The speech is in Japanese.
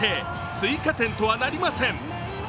追加点とはなりません。